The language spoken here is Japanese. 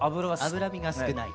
脂身が少ない。